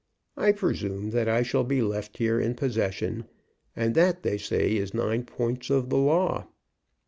I presume that I shall be left here in possession, and that, they say, is nine points of the law.